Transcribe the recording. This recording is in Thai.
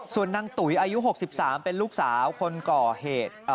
ส่วนนางตุ๋ยอายุ๖๓เป็นลูกสาวคนก่อเหตุ